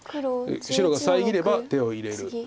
白が遮れば手を入れる。